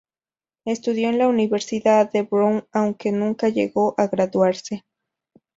Estudió en la Universidad de Brown aunque nunca llegó a graduarse.